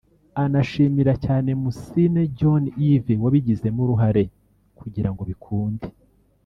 anashimira cyane Mussine John Yves wabigizemo uruhare kugira ngo bikunde